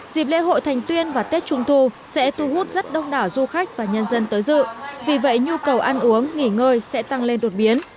dịp lễ hội thành tuyên và tết trung thu sẽ thu hút rất đông đảo du khách và nhân dân tới dự vì vậy nhu cầu ăn uống nghỉ ngơi sẽ tăng lên đột biến